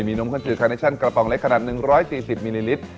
มีนมข้นจืดคาเนชั่นกระป๋องเล็กขนาด๑๔๐มิลลิลิตร